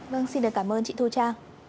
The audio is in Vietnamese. vâng xin đợi cảm ơn chị thu trang